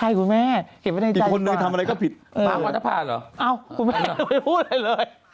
อ้าวคุณแม่อย่าไปพูดเลย